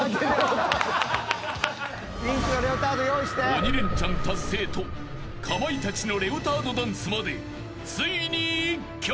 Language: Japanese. ［鬼レンチャン達成とかまいたちのレオタードダンスまでついに１曲］